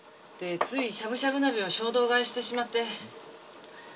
でついしゃぶしゃぶ鍋を衝動買いしてしまって。